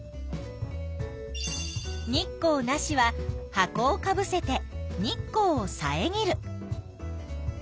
「日光なし」は箱をかぶせて日光をさえぎる。